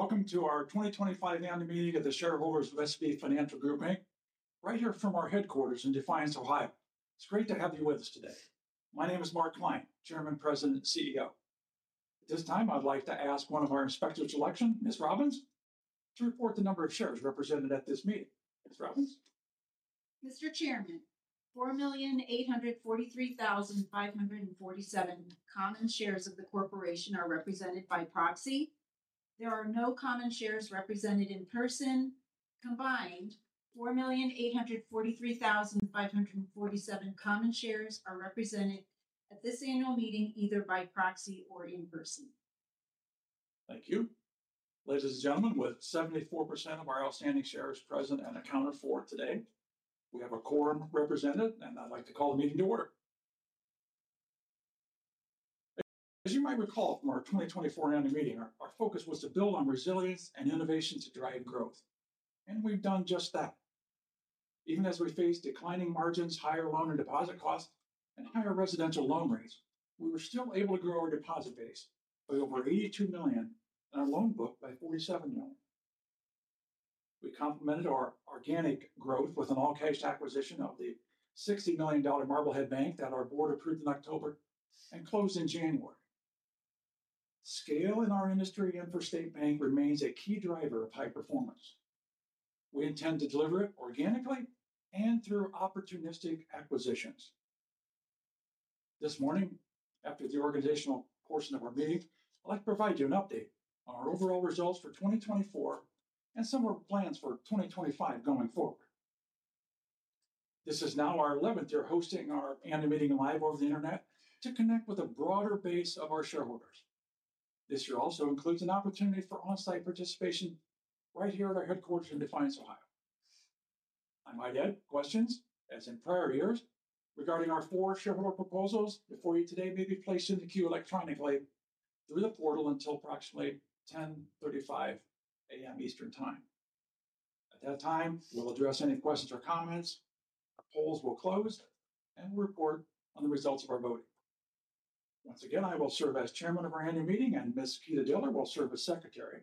Welcome to our 2025 annual meeting of the shareholders of SB Financial Group, Inc. Right here from our headquarters in Defiance, Ohio. It's great to have you with us today. My name is Mark Klein, Chairman, President, and CEO. At this time, I'd like to ask one of our Inspectors of Election, Ms. Robbins, to report the number of shares represented at this meeting. Ms. Robbins? Mr. Chairman, $4,843,547 common shares of the corporation are represented by proxy. There are no common shares represented in person. Combined, $4,843,547 common shares are represented at this annual meeting either by proxy or in person. Thank you. Ladies, gentlemen, with 74% of our outstanding shares present and a count of four today, we have a quorum represented, and I'd like to call the meeting to order. As you might recall from our 2024 annual meeting, our focus was to build on resilience and innovation to drive growth, and we've done just that. Even as we faced declining margins, higher loan and deposit costs, and higher residential loan rates, we were still able to grow our deposit base by over $82 million and our loan book by $47 million. We complemented our organic growth with an all-cash acquisition of the $60 million Marblehead Bank that our board approved in October and closed in January. Scale in our industry and for State Bank remains a key driver of high performance. We intend to deliver it organically and through opportunistic acquisitions. This morning, after the organizational portion of our meeting, I'd like to provide you an update on our overall results for 2024 and some of our plans for 2025 going forward. This is now our 11th year hosting our annual meeting live over the internet to connect with a broader base of our shareholders. This year also includes an opportunity for on-site participation right here at our headquarters in Defiance, Ohio. I might add questions, as in prior years, regarding our four shareholder proposals before you today may be placed in the queue electronically through the portal until approximately 10:35 A.M. Eastern Time. At that time, we'll address any questions or comments. Our polls will close, and we'll report on the results of our voting. Once again, I will serve as Chairman of our annual meeting, and Ms. Keeta Diller will serve as Secretary.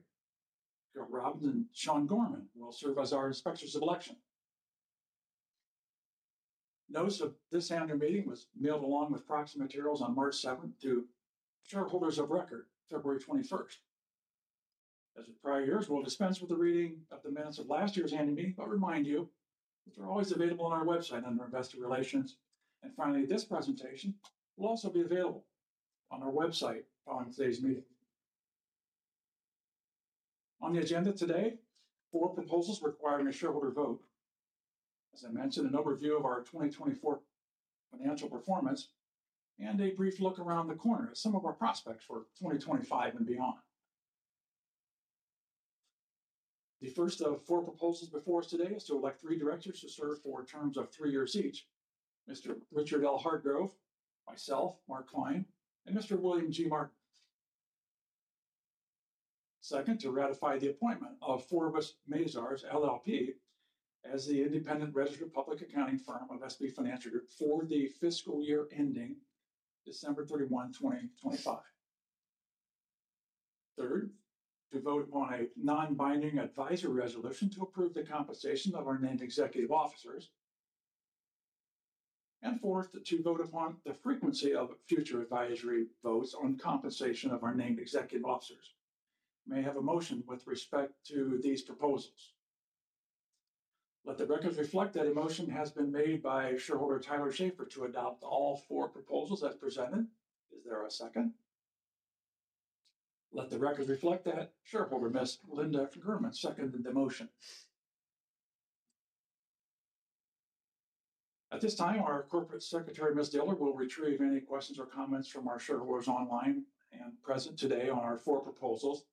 Carol Robbins and Sean Gorman will serve as our inspectors of election. Notes of this annual meeting were mailed along with proxy materials on March 7th to shareholders of record February 21st. As with prior years, we'll dispense with the reading of the minutes of last year's annual meeting, but remind you that they're always available on our website under Investor Relations. Finally, this presentation will also be available on our website following today's meeting. On the agenda today, four proposals requiring a shareholder vote. As I mentioned, an overview of our 2024 financial performance and a brief look around the corner at some of our prospects for 2025 and beyond. The first of four proposals before us today is to elect three directors to serve for terms of three years each: Mr. Richard L. Hardgrove, myself, Mark Klein, and Mr. William G. Martin. Second, to ratify the appointment of Forvis Mazars, LLP as the independent registered public accounting firm of SB Financial Group for the fiscal year ending December 31, 2025. Third, to vote upon a non-binding advisory resolution to approve the compensation of our named executive officers. Fourth, to vote upon the frequency of future advisory votes on compensation of our named executive officers. May I have a motion with respect to these proposals? Let the record reflect that a motion has been made by shareholder Tyler Schaefer to adopt all four proposals as presented. Is there a second? Let the record reflect that shareholder Ms. Linda German seconded the motion. At this time, our Corporate Secretary, Ms. Diller, will retrieve any questions or comments from our shareholders online and present today on our four proposals.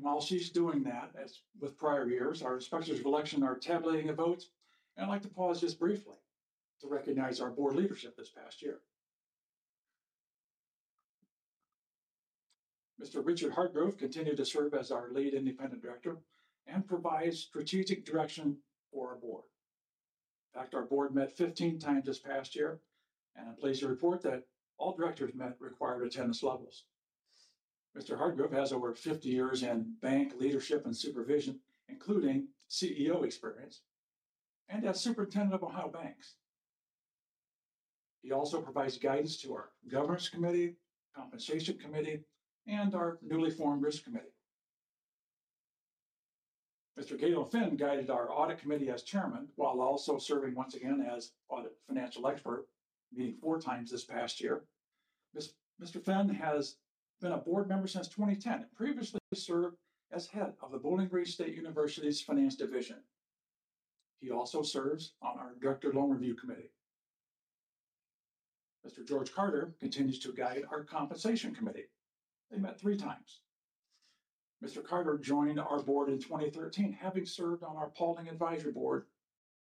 While she's doing that, as with prior years, our inspectors of election are tabulating the votes, and I'd like to pause just briefly to recognize our board leadership this past year. Mr. Richard Hardgrove continued to serve as our lead independent director and provides strategic direction for our board. In fact, our board met 15 times this past year, and I'm pleased to report that all directors met required attendance levels. Mr. Hardgrove has over 50 years in bank leadership and supervision, including CEO experience, and as superintendent of Ohio Banks. He also provides guidance to our governance committee, compensation committee, and our newly formed risk committee. Mr. Gaylyn Finn guided our audit committee as chairman while also serving once again as audit financial expert, meeting four times this past year. Mr. Finn has been a board member since 2010 and previously served as head of the Bowling Green State University's finance division. He also serves on our director loan review committee. Mr. George Carter continues to guide our compensation committee. They met three times. Mr. Carter joined our board in 2013, having served on our polling advisory board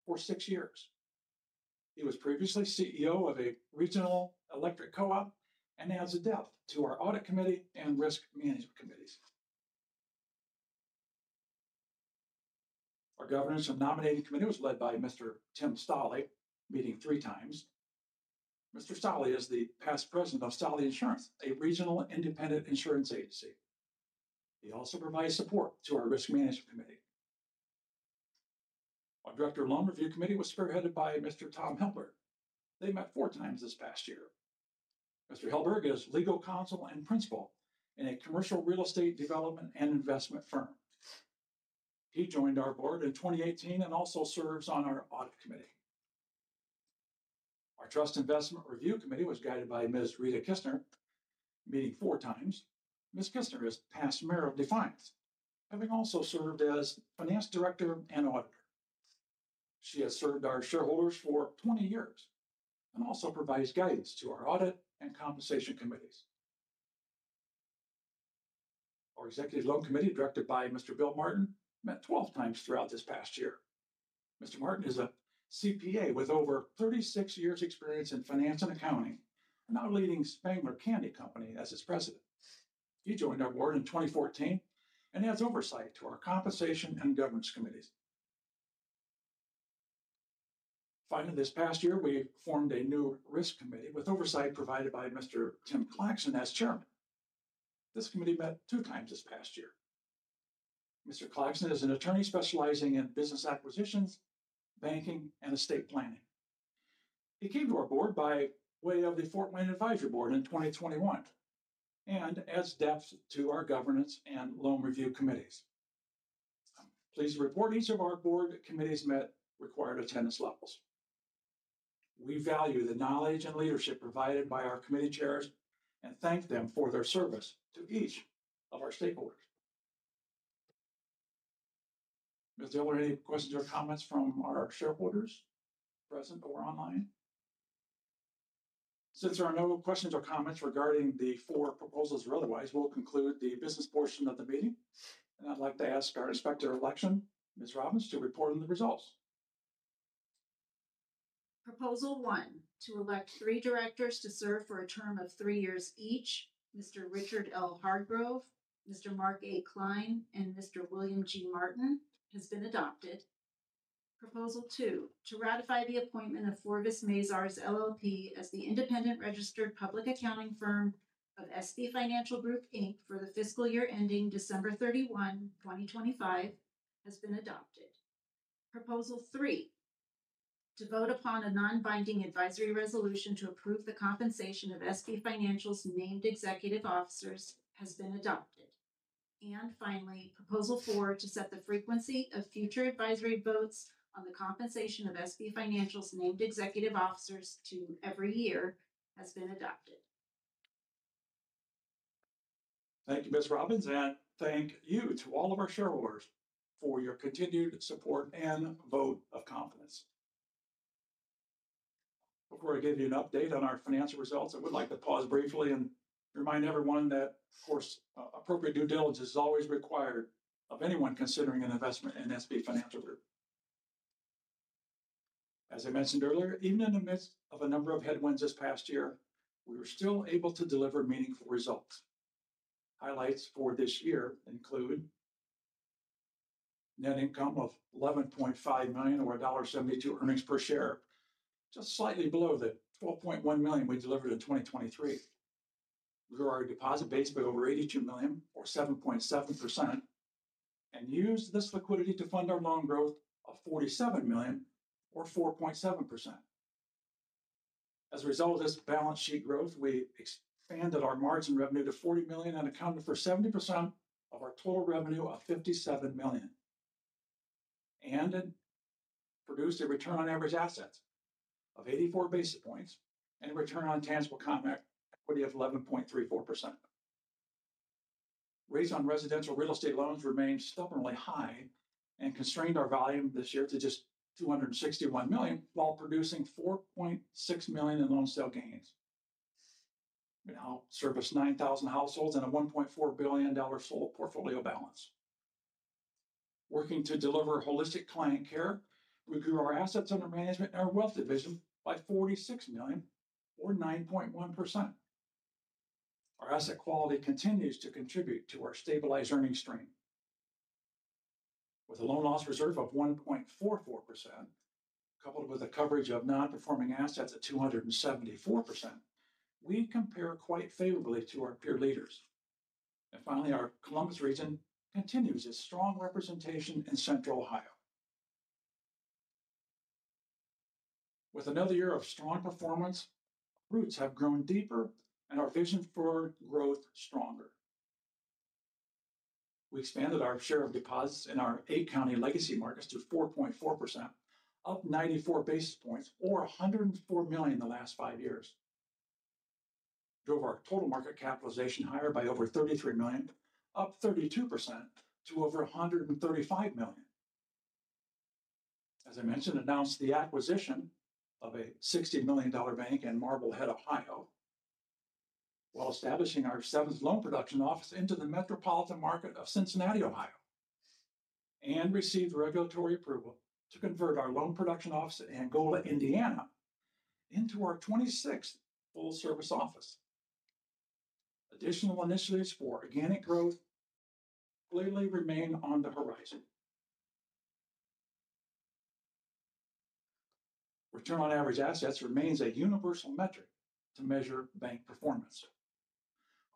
for six years. He was previously CEO of a regional electric co-op and adds a depth to our audit committee and risk management committees. Our governance and nominating committee was led by Mr. Tim Stolly, meeting three times. Mr. Stolly is the past president of Stolly Insurance, a regional independent insurance agency. He also provides support to our risk management committee. Our director loan review committee was spearheaded by Mr. Tom Helberg. They met four times this past year. Mr. Helberg is legal counsel and principal in a commercial real estate development and investment firm. He joined our board in 2018 and also serves on our audit committee. Our trust investment review committee was guided by Ms. Rita Kissner, meeting four times. Ms. Kissner is past mayor of Defiance, having also served as finance director and auditor. She has served our shareholders for 20 years and also provides guidance to our audit and compensation committees. Our executive loan committee, directed by Mr. William G. Martin, met 12 times throughout this past year. Mr. Martin is a CPA with over 36 years' experience in finance and accounting and now leading Spangler Candy Company as its president. He joined our board in 2014 and has oversight to our compensation and governance committees. Finally, this past year, we formed a new risk committee with oversight provided by Mr. Tim Claxton as chairman. This committee met two times this past year. Mr. Claxton is an attorney specializing in business acquisitions, banking, and estate planning. He came to our board by way of the Fort Wayne Advisory Board in 2021 and adds depth to our governance and loan review committees. Please report each of our board committees met required attendance levels. We value the knowledge and leadership provided by our committee chairs and thank them for their service to each of our stakeholders. Ms. Diller, any questions or comments from our shareholders present or online? Since there are no questions or comments regarding the four proposals or otherwise, we'll conclude the business portion of the meeting, and I'd like to ask our inspector of election, Ms. Robbins, to report on the results. Proposal one to elect three directors to serve for a term of three years each: Mr. Richard L. Hardgrove, Mr. Mark A. Klein, and Mr. William G. Martin has been adopted. Proposal two to ratify the appointment of Forvis Mazars, LLP as the independent registered public accounting firm of SB Financial Group, Inc for the fiscal year ending December 31, 2025 has been adopted. Proposal three to vote upon a non-binding advisory resolution to approve the compensation of SB Financial's named executive officers has been adopted. Proposal four to set the frequency of future advisory votes on the compensation of SB Financial's named executive officers to every year has been adopted. Thank you, Ms. Robbins, and thank you to all of our shareholders for your continued support and vote of confidence. Before I give you an update on our financial results, I would like to pause briefly and remind everyone that, of course, appropriate due diligence is always required of anyone considering an investment in SB Financial Group. As I mentioned earlier, even in the midst of a number of headwinds this past year, we were still able to deliver meaningful results. Highlights for this year include net income of $11.5 million or $1.72 earnings per share, just slightly below the $12.1 million we delivered in 2023. We grew our deposit base by over $82 million, or 7.7%, and used this liquidity to fund our loan growth of $47 million, or 4.7%. As a result of this balance sheet growth, we expanded our margin revenue to $40 million and accounted for 70% of our total revenue of $57 million. It produced a return on average assets of 84 basis points and a return on tangible economic equity of 11.34%. Rates on residential real estate loans remained stubbornly high and constrained our volume this year to just $261 million, while producing $4.6 million in loan sale gains. We now service 9,000 households and a $1.4 billion sole portfolio balance. Working to deliver holistic client care, we grew our assets under management and our wealth division by $46 million, or 9.1%. Our asset quality continues to contribute to our stabilized earnings stream. With a loan loss reserve of 1.44%, coupled with a coverage of non-performing assets at 274%, we compare quite favorably to our peer leaders. Finally, our Columbus region continues its strong representation in Central Ohio. With another year of strong performance, our roots have grown deeper and our vision for growth stronger. We expanded our share of deposits in our eight-county legacy markets to 4.4%, up 94 basis points, or $104 million in the last five years. We drove our total market capitalization higher by over $33 million, up 32% to over $135 million. As I mentioned, we announced the acquisition of a $60 million bank in Marblehead, Ohio, while establishing our seventh loan production office into the metropolitan market of Cincinnati, Ohio, and received regulatory approval to convert our loan production office in Angola, Indiana, into our 26th full-service office. Additional initiatives for organic growth clearly remain on the horizon. Return on average assets remains a universal metric to measure bank performance.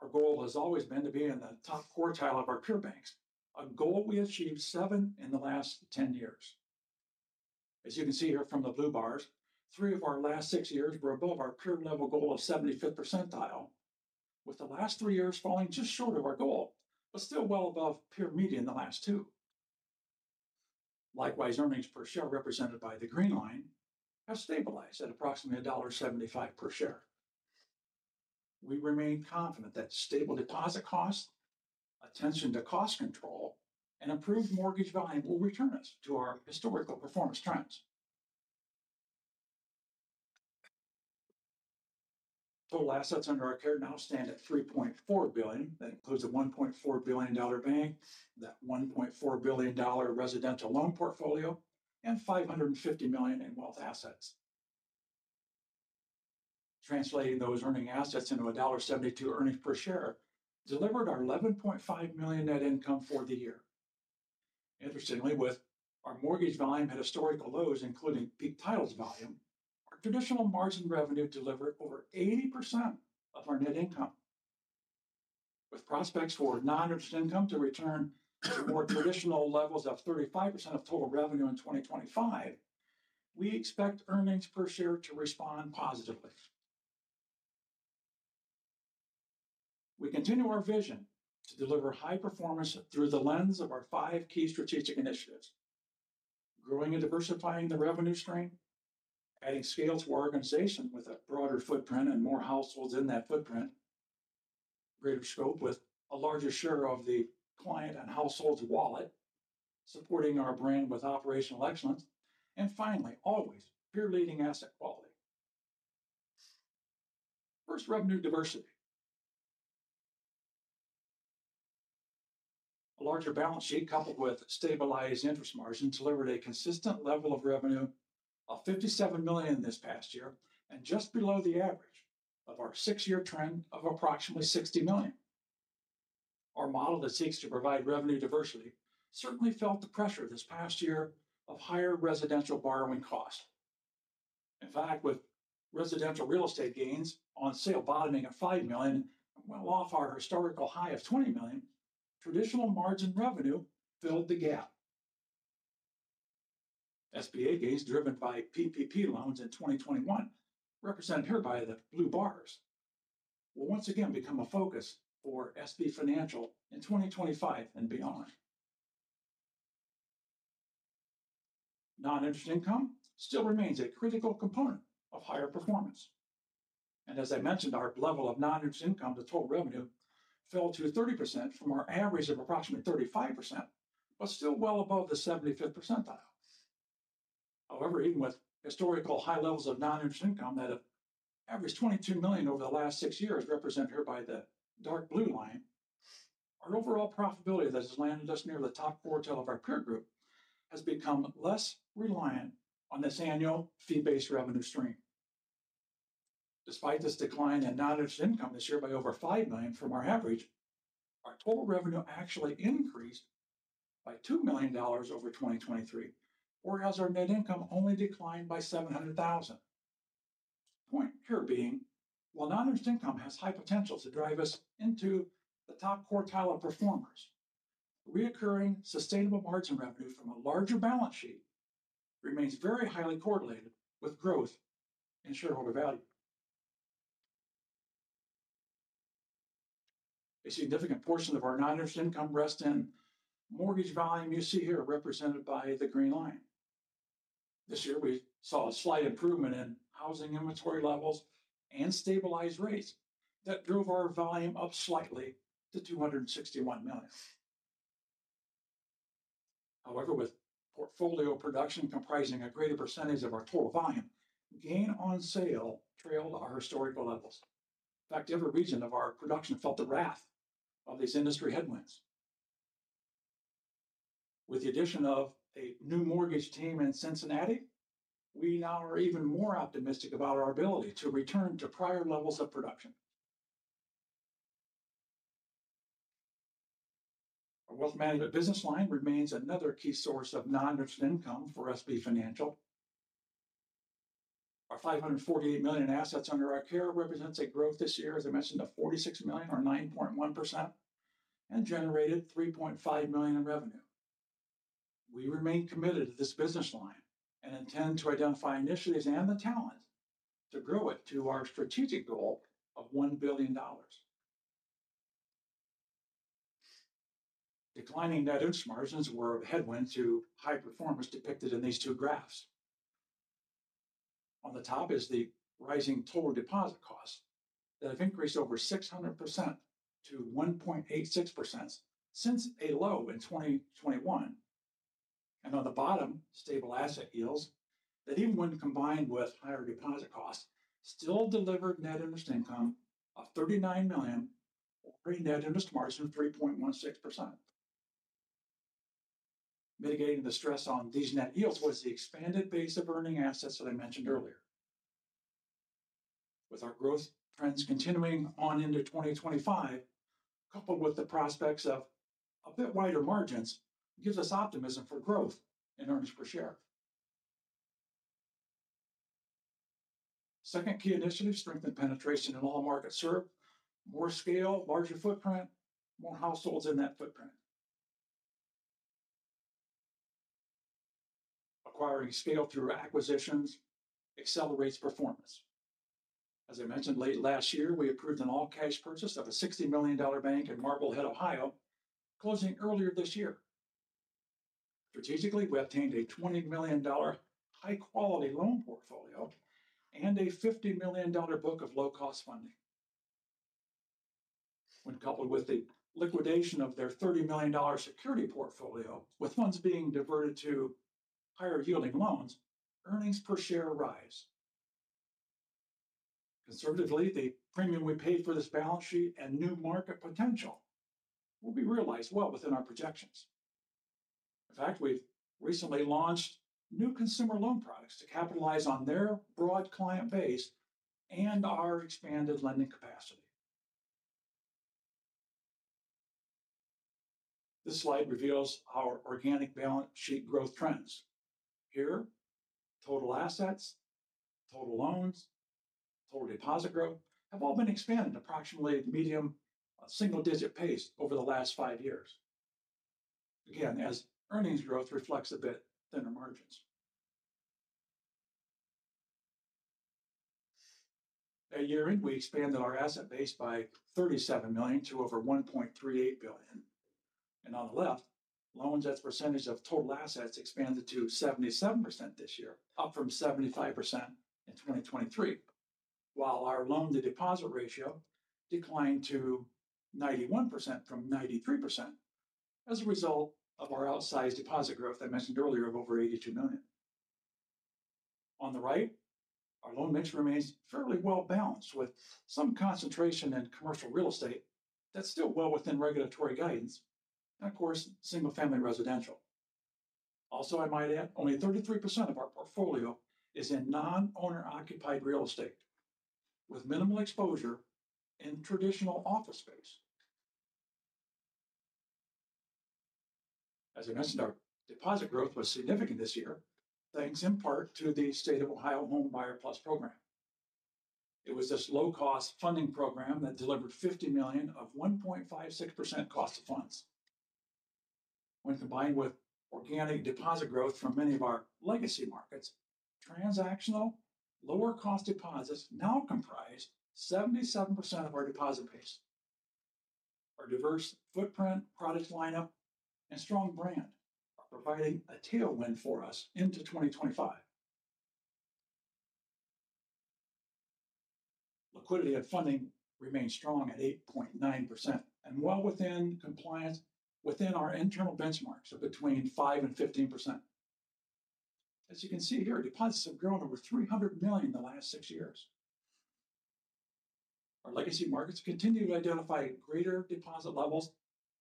Our goal has always been to be in the top quartile of our peer banks, a goal we achieved seven in the last 10 years. As you can see here from the blue bars, three of our last six years were above our peer-level goal of 75th percentile, with the last three years falling just short of our goal, but still well above peer median in the last two. Likewise, earnings per share, represented by the green line, have stabilized at approximately $1.75 per share. We remain confident that stable deposit costs, attention to cost control, and improved mortgage volume will return us to our historical performance trends. Total assets under our care now stand at $3.4 billion. That includes a $1.4 billion bank, that $1.4 billion residential loan portfolio, and $550 million in wealth assets. Translating those earning assets into $1.72 earnings per share delivered our $11.5 million net income for the year. Interestingly, with our mortgage volume at historical lows, including Peak Title's volume, our traditional margin revenue delivered over 80% of our net income. With prospects for non-interest income to return to more traditional levels of 35% of total revenue in 2025, we expect earnings per share to respond positively. We continue our vision to deliver high performance through the lens of our five key strategic initiatives: growing and diversifying the revenue stream, adding scale to our organization with a broader footprint and more households in that footprint, greater scope with a larger share of the client and household's wallet, supporting our brand with operational excellence, and finally, always peer-leading asset quality. First, revenue diversity. A larger balance sheet coupled with stabilized interest margins delivered a consistent level of revenue of $57 million this past year and just below the average of our six-year trend of approximately $60 million. Our model that seeks to provide revenue diversity certainly felt the pressure this past year of higher residential borrowing costs. In fact, with residential real estate gains on sale bottoming at $5 million and well off our historical high of $20 million, traditional margin revenue filled the gap. SBA gains driven by PPP loans in 2021, represented here by the blue bars, will once again become a focus for SB Financial in 2025 and beyond. Non-interest income still remains a critical component of higher performance. As I mentioned, our level of non-interest income to total revenue fell to 30% from our average of approximately 35%, but still well above the 75th percentile. However, even with historical high levels of non-interest income that have averaged $22 million over the last six years, represented here by the dark blue line, our overall profitability that has landed us near the top quartile of our peer group has become less reliant on this annual fee-based revenue stream. Despite this decline in non-interest income this year by over $5 million from our average, our total revenue actually increased by $2 million over 2023, whereas our net income only declined by $700,000. Point here being, while non-interest income has high potential to drive us into the top quartile of performers, recurring sustainable margin revenue from a larger balance sheet remains very highly correlated with growth in shareholder value. A significant portion of our non-interest income rests in mortgage volume you see here, represented by the green line. This year, we saw a slight improvement in housing inventory levels and stabilized rates that drove our volume up slightly to $261 million. However, with portfolio production comprising a greater percentage of our total volume, gain on sale trailed our historical levels. In fact, every region of our production felt the wrath of these industry headwinds. With the addition of a new mortgage team in Cincinnati, we now are even more optimistic about our ability to return to prior levels of production. Our wealth management business line remains another key source of non-interest income for SB Financial. Our $548 million in assets under our care represents a growth this year, as I mentioned, of $46 million, or 9.1%, and generated $3.5 million in revenue. We remain committed to this business line and intend to identify initiatives and the talent to grow it to our strategic goal of $1 billion. Declining net interest margins were a headwind to high performance depicted in these two graphs. On the top is the rising total deposit costs that have increased over 600% to 1.86% since a low in 2021. On the bottom, stable asset yields that, even when combined with higher deposit costs, still delivered net interest income of $39 million, or a net interest margin of 3.16%. Mitigating the stress on these net yields was the expanded base of earning assets that I mentioned earlier. With our growth trends continuing on into 2025, coupled with the prospects of a bit wider margins, it gives us optimism for growth in earnings per share. Second key initiative: strengthen penetration in all markets, serve more scale, larger footprint, more households in that footprint. Acquiring scale through acquisitions accelerates performance. As I mentioned, late last year, we approved an all-cash purchase of a $60 million bank in Marblehead, Ohio, closing earlier this year. Strategically, we obtained a $20 million high-quality loan portfolio and a $50 million book of low-cost funding. When coupled with the liquidation of their $30 million security portfolio, with funds being diverted to higher-yielding loans, earnings per share rise. Conservatively, the premium we paid for this balance sheet and new market potential will be realized well within our projections. In fact, we've recently launched new consumer loan products to capitalize on their broad client base and our expanded lending capacity. This slide reveals our organic balance sheet growth trends. Here, total assets, total loans, total deposit growth have all been expanded at approximately a medium single-digit pace over the last five years. Again, as earnings growth reflects a bit thinner margins. That year, we expanded our asset base by $37 million to over $1.38 billion. On the left, loans as a percentage of total assets expanded to 77% this year, up from 75% in 2023, while our loan-to-deposit ratio declined to 91% from 93% as a result of our outsized deposit growth I mentioned earlier of over $82 million. On the right, our loan mix remains fairly well balanced with some concentration in commercial real estate that is still well within regulatory guidance and, of course, single-family residential. Also, I might add, only 33% of our portfolio is in non-owner-occupied real estate, with minimal exposure in traditional office space. As I mentioned, our deposit growth was significant this year, thanks in part to the State of Ohio Homebuyer Plus program. It was this low-cost funding program that delivered $50 million of 1.56% cost of funds. When combined with organic deposit growth from many of our legacy markets, transactional, lower-cost deposits now comprise 77% of our deposit base. Our diverse footprint, product lineup, and strong brand are providing a tailwind for us into 2025. Liquidity and funding remain strong at 8.9% and well within compliance within our internal benchmarks of between 5% and 15%. As you can see here, deposits have grown over $300 million in the last six years. Our legacy markets continue to identify greater deposit levels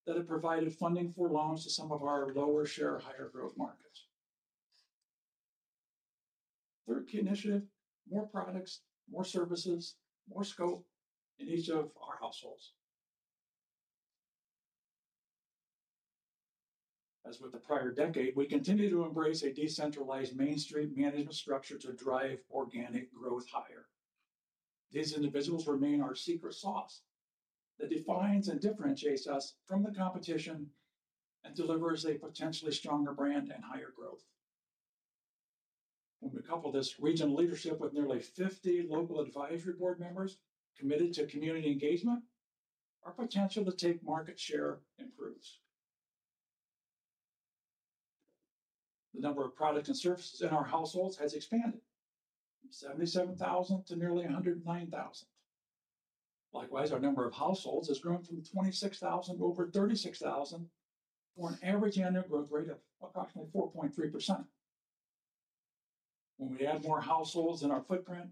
that have provided funding for loans to some of our lower-share, higher-growth markets. Third key initiative: more products, more services, more scope in each of our households. As with the prior decade, we continue to embrace a decentralized Main Street management structure to drive organic growth higher. These individuals remain our secret sauce that defines and differentiates us from the competition and delivers a potentially stronger brand and higher growth. When we couple this regional leadership with nearly 50 local advisory board members committed to community engagement, our potential to take market share improves. The number of products and services in our households has expanded from 77,000 to nearly 109,000. Likewise, our number of households has grown from 26,000 to over 36,000 for an average annual growth rate of approximately 4.3%. When we add more households in our footprint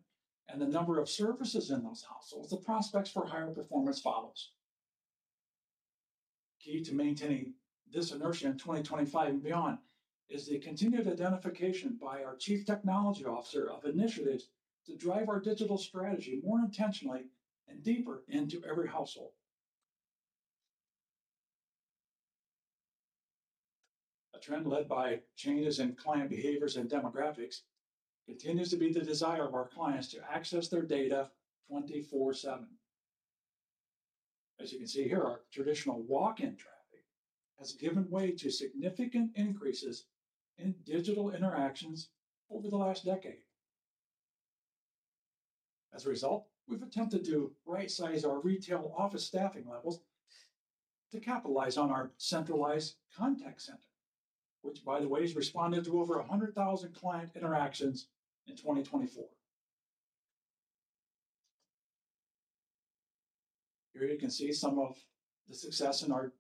and the number of services in those households, the prospects for higher performance follow. Key to maintaining this inertia in 2025 and beyond is the continued identification by our Chief Technology Officer of initiatives to drive our digital strategy more intentionally and deeper into every household. A trend led by changes in client behaviors and demographics continues to be the desire of our clients to access their data 24/7. As you can see here, our traditional walk-in traffic has given way to significant increases in digital interactions over the last decade. As a result, we've attempted to right-size our retail office staffing levels to capitalize on our centralized contact center, which, by the way, has responded to over 100,000 client interactions in 2024. Here you can see some of the success in our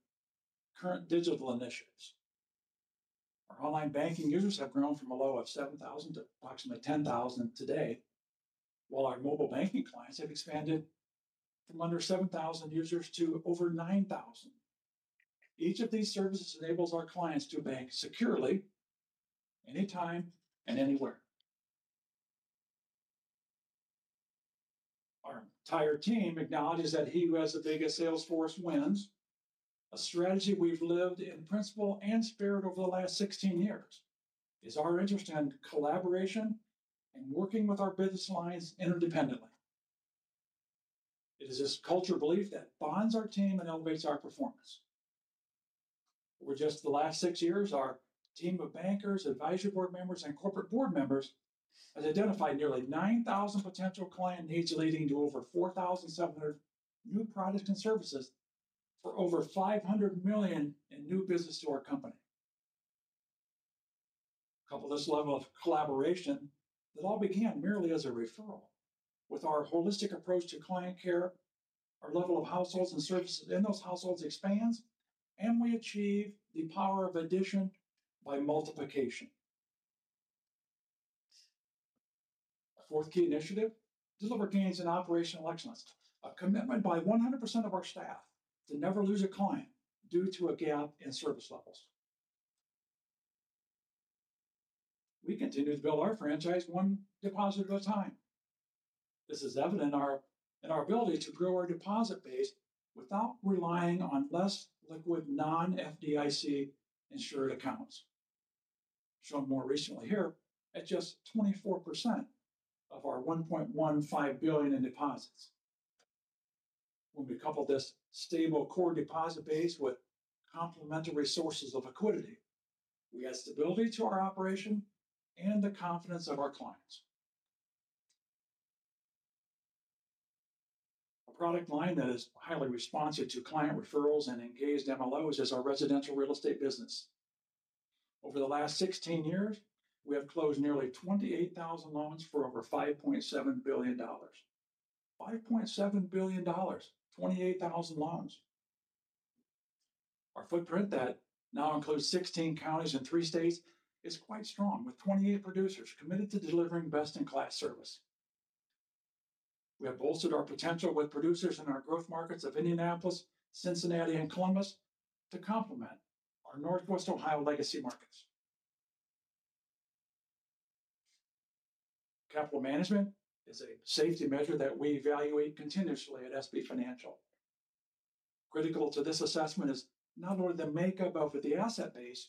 current digital initiatives. Our online banking users have grown from a low of 7,000 to approximately 10,000 today, while our mobile banking clients have expanded from under 7,000 users to over 9,000. Each of these services enables our clients to bank securely anytime and anywhere. Our entire team acknowledges that he who has the biggest sales force wins. A strategy we've lived in principle and spirit over the last 16 years is our interest in collaboration and working with our business lines interdependently. It is this culture belief that bonds our team and elevates our performance. Over just the last six years, our team of bankers, advisory board members, and corporate board members has identified nearly 9,000 potential client needs, leading to over 4,700 new products and services for over $500 million in new business to our company. Couple this level of collaboration that all began merely as a referral. With our holistic approach to client care, our level of households and services in those households expands, and we achieve the power of addition by multiplication. Our fourth key initiative: deliver gains in operational excellence, a commitment by 100% of our staff to never lose a client due to a gap in service levels. We continue to build our franchise one deposit at a time. This is evident in our ability to grow our deposit base without relying on less liquid non-FDIC insured accounts, shown more recently here at just 24% of our $1.15 billion in deposits. When we couple this stable core deposit base with complementary sources of liquidity, we add stability to our operation and the confidence of our clients. A product line that is highly responsive to client referrals and engaged MLOs is our residential real estate business. Over the last 16 years, we have closed nearly 28,000 loans for over $5.7 billion. $5.7 billion, 28,000 loans. Our footprint that now includes 16 counties and three states is quite strong, with 28 producers committed to delivering best-in-class service. We have bolstered our potential with producers in our growth markets of Indianapolis, Cincinnati, and Columbus to complement our Northwest Ohio legacy markets. Capital management is a safety measure that we evaluate continuously at SB Financial. Critical to this assessment is not only the makeup of the asset base,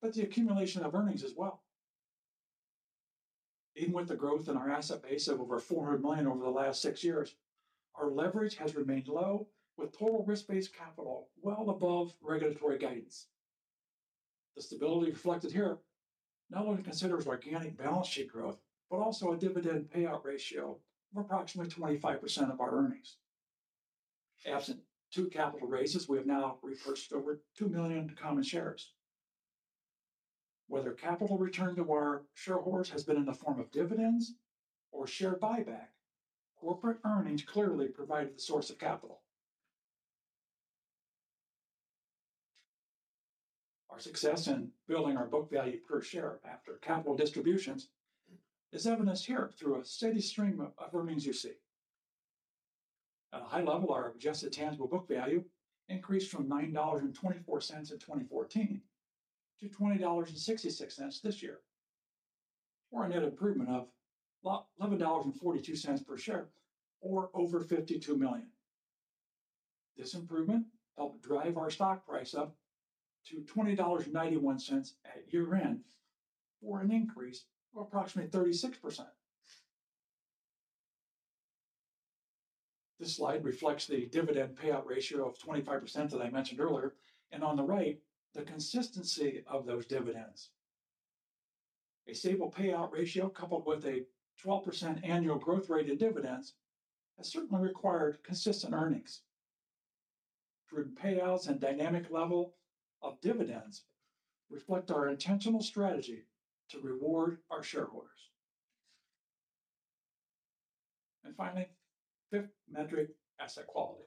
but the accumulation of earnings as well. Even with the growth in our asset base of over $400 million over the last six years, our leverage has remained low, with total risk-based capital well above regulatory guidance. The stability reflected here not only considers organic balance sheet growth, but also a dividend payout ratio of approximately 25% of our earnings. Absent two capital raises, we have now repurchased over $2 million in common shares. Whether capital returned to our shareholders has been in the form of dividends or share buyback, corporate earnings clearly provided the source of capital. Our success in building our book value per share after capital distributions is evidenced here through a steady stream of earnings you see. At a high level, our adjusted tangible book value increased from $9.24 in 2014 to $20.66 this year, or a net improvement of $11.42 per share, or over $52 million. This improvement helped drive our stock price up to $20.91 at year-end, or an increase of approximately 36%. This slide reflects the dividend payout ratio of 25% that I mentioned earlier, and on the right, the consistency of those dividends. A stable payout ratio coupled with a 12% annual growth rate in dividends has certainly required consistent earnings. Driven payouts and dynamic level of dividends reflect our intentional strategy to reward our shareholders. Finally, fifth metric: asset quality.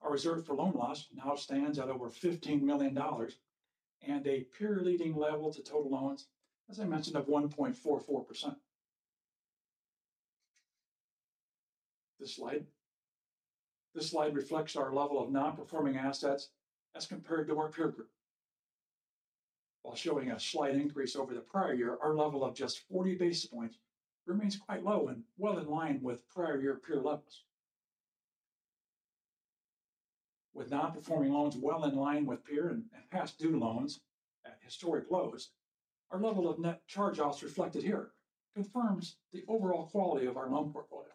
Our reserve for loan loss now stands at over $15 million and a peer-leading level to total loans, as I mentioned, of 1.44%. This slide reflects our level of non-performing assets as compared to our peer group. While showing a slight increase over the prior year, our level of just 40 basis points remains quite low and well in line with prior year peer levels. With non-performing loans well in line with peer and past-due loans at historic lows, our level of net charge-offs reflected here confirms the overall quality of our loan portfolio.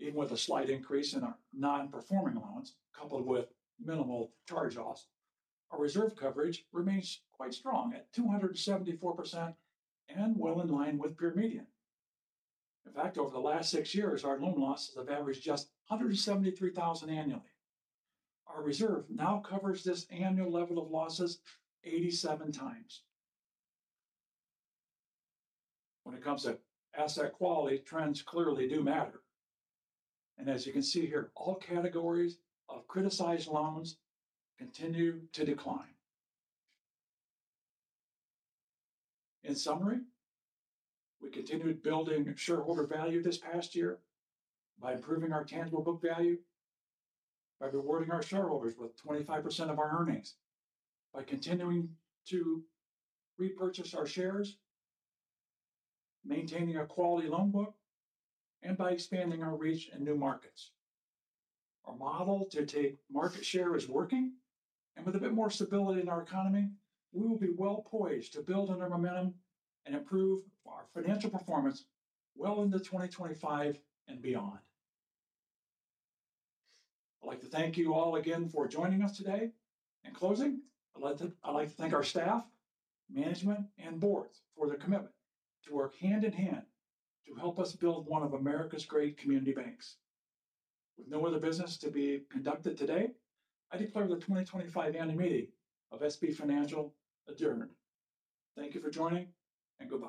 Even with a slight increase in our non-performing loans coupled with minimal charge-offs, our reserve coverage remains quite strong at 274% and well in line with peer median. In fact, over the last six years, our loan losses have averaged just $173,000 annually. Our reserve now covers this annual level of losses 87 times. When it comes to asset quality, trends clearly do matter. As you can see here, all categories of criticized loans continue to decline. In summary, we continued building shareholder value this past year by improving our tangible book value, by rewarding our shareholders with 25% of our earnings, by continuing to repurchase our shares, maintaining a quality loan book, and by expanding our reach in new markets. Our model to take market share is working, and with a bit more stability in our economy, we will be well poised to build on our momentum and improve our financial performance well into 2025 and beyond. I'd like to thank you all again for joining us today. In closing, I'd like to thank our staff, management, and boards for their commitment to work hand in hand to help us build one of America's great community banks. With no other business to be conducted today, I declare the 2025 annual meeting of SB Financial adjourned. Thank you for joining, and good bye.